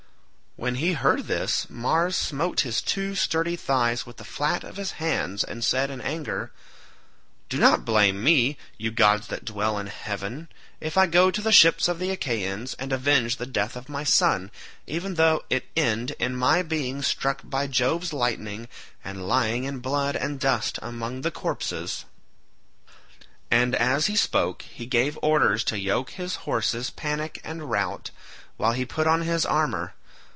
When he heard this Mars smote his two sturdy thighs with the flat of his hands, and said in anger, "Do not blame me, you gods that dwell in heaven, if I go to the ships of the Achaeans and avenge the death of my son, even though it end in my being struck by Jove's lightning and lying in blood and dust among the corpses." As he spoke he gave orders to yoke his horses Panic and Rout, while he put on his armour.